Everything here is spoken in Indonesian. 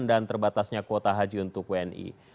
dan terbatasnya kota haji untuk wni